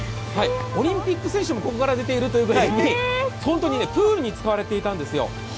オリンピック選手もここから出ているというくらいにプールに使われていたんですよ。